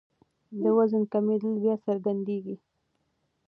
د وزن کمېدل بیا څرګندېږي.